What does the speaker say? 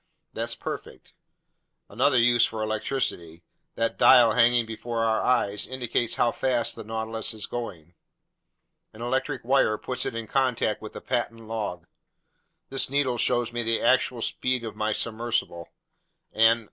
"That's perfect." "Another use for electricity: that dial hanging before our eyes indicates how fast the Nautilus is going. An electric wire puts it in contact with the patent log; this needle shows me the actual speed of my submersible. And .